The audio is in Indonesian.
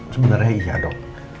sebenarnya iya dok